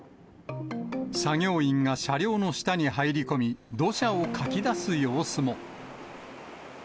作業員が車両の下に入り込み、土砂をかき出す様子も。